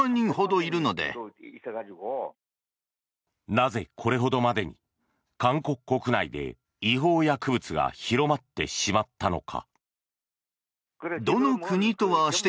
なぜ、これほどまでに韓国国内で違法薬物が広まってしまったのか。